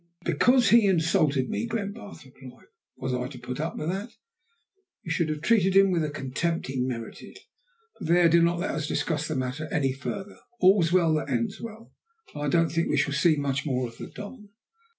"Because he insulted me," Glenbarth replied. "Was I to put up with that?" "You should have treated him with the contempt he merited. But there, do not let us discuss the matter any further. All's well that ends well; and I don't think we shall see much more of the Don."